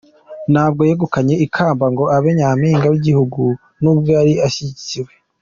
Ntabwo yegukanye ikamba ngo abe Nyampinga w’igihugu nubwo yari ashyigikiwe.